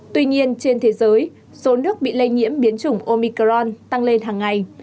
tuy nhiên trên thế giới số nước bị lây nhiễm biến chủng omicron tăng lên hàng ngày